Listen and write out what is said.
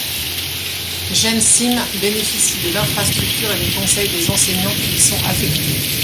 Jensim bénéficie de l’infrastructure et des conseils des enseignants qui y sont affectés.